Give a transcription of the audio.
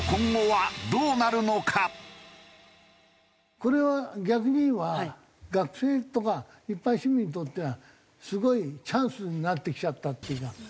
これは逆にいえば学生とか一般市民にとってはすごいチャンスになってきちゃったっていうふうな。